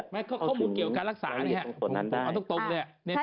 ใช่ข้อมูลเกี่ยวกับการรักษาเอาตรงเลย